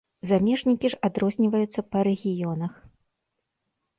Замежнікі ж адрозніваюцца па рэгіёнах.